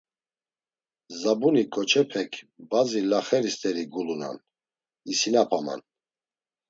Zabuni ǩoçepek bazi laxeri st̆eri gulunan, isinapaman.